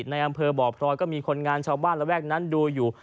ในอำเภอบ่อพลอยก็มีคนงานชาวบ้านระแวกนั้นดูอยู่